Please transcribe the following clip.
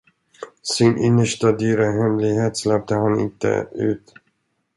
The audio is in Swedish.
Sin innersta dyra hemlighet släppte han inte ut.